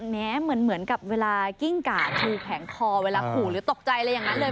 แม้เหมือนกับเวลากิ้งกาดชูแข็งคอเวลาขู่หรือตกใจอะไรอย่างนั้นเลย